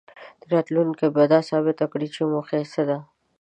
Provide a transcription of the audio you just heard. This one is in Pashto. راتلونکې به دا ثابته کړي چې موخه یې څه ده.